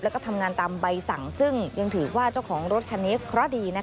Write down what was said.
แล้วก็ทำงานตามใบสั่งซึ่งยังถือว่าเจ้าของรถคันนี้เคราะห์ดี